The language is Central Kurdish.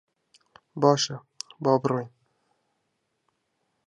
باشە، با بڕۆین.